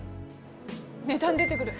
値段出てくる。